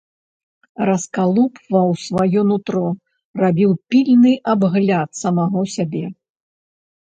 Раскалупваў сваё нутро, рабіў пільны абгляд самога сябе.